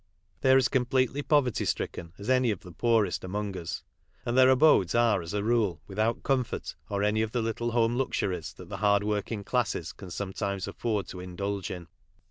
They are as completely poverty stricken as any of the poorest among us, and their abodes are as a rule without comfort or any of the little home luxuries that the hard working classes can sometimes afford to indulge in.